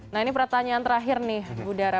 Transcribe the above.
nah ini pertanyaan terakhir nih budara